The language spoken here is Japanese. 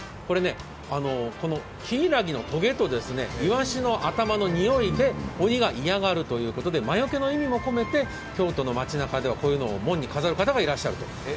柊のトゲとイワシの頭のにおいで鬼が嫌がるということで魔よけの意味も込めて、京都の街中ではこういうのを飾るそうです。